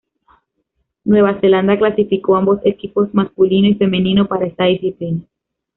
Nueva Zelanda clasificó ambos equipos masculino y femenino para esta disciplina.